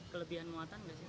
kelebihan muatan gak sih